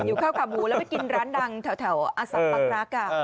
หิวข้าวขาวหมูแล้วไม่กินร้านดังแถวอาศัพท์ปักรักษ์